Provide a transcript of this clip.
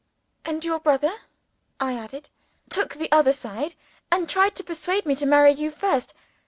"And your brother," I added, "took the other side, and tried to persuade me to marry you first.